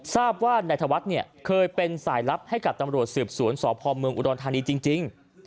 ทราบว่านายธวัฒน์เนี่ยเคยเป็นสายลับให้กับตำรวจสืบสวนสพเมืองอุดรธานีจริง